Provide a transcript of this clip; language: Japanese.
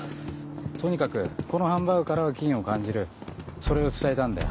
とにかくこのハンバーグからは菌を感じるそれを伝えたんだよ。